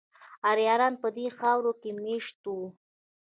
آریایان په دې خاوره کې میشت وو